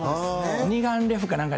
二眼レフか